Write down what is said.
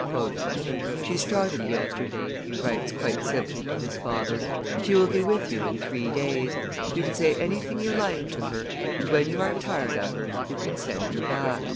"She started yesterday," he writes quite simply to his father, "she will be with you in three days; you can say anything you like to her, and when you are tired of her, you can send her back."